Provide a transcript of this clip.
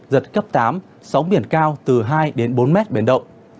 giật cấp tám sóng biển cao từ hai đến bốn mét biển động